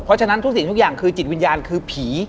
เพราะฉะนั้นทุกสิ่งทุกอย่างคือจิตวิญญาณคือผี